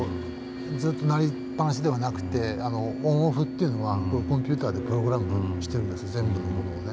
ずっと鳴りっぱなしではなくてオン・オフっていうのはコンピューターでプログラムしてるんです全部のものを。